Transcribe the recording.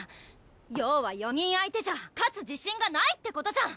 要は４人相手じゃ勝つ自信がないってことじゃん！